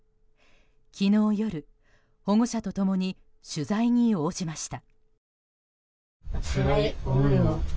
昨日夜、保護者と共に取材に応じました。